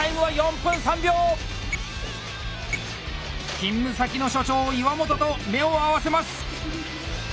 勤務先の所長・岩本と目を合わせます！